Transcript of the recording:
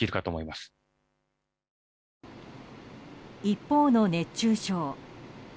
一方の熱中症。